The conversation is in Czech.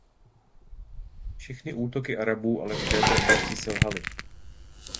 Všechny útoky Arabů ale v této oblasti selhaly.